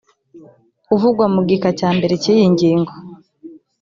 uvugwa mu gika cya mbere cy iyi ngingo